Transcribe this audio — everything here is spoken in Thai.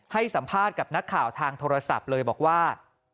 ให้สัมภาษณ์กับนักข่าวทางโทรศัพท์เลยบอกว่า